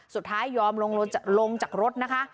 สุดท้ายยอมลงจากรถนะคะ